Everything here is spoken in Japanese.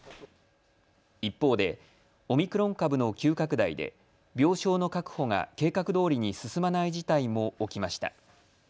一方でオミクロン株の急拡大で病床の確保が計画どおりに進まない事態も起きました。